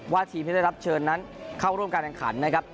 ทีมที่ได้รับเชิญนั้นเข้าร่วมการแข่งขันนะครับ